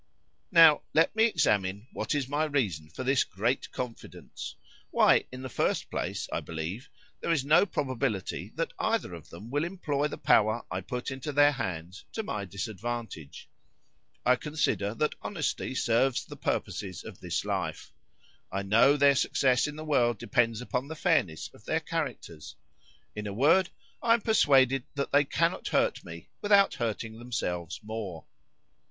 "Now let me examine what is my reason for this great confidence. Why, in the first place, I believe there is no probability that either of them will employ the power I put into their hands to my disadvantage;—I consider that honesty serves the purposes of this life:—I know their success in the world depends upon the fairness of their characters.—In a word, I'm persuaded that they cannot hurt me without hurting themselves more.